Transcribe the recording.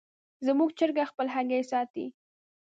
زموږ چرګه خپلې هګۍ ساتي.